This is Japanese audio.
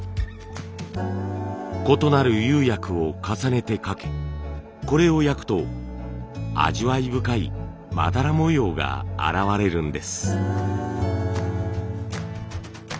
異なる釉薬を重ねてかけこれを焼くと味わい深いまだら模様が現れるんです。